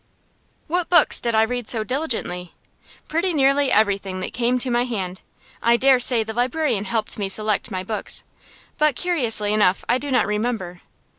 What books did I read so diligently? Pretty nearly everything that came to my hand. I dare say the librarian helped me select my books, but, curiously enough, I do not remember.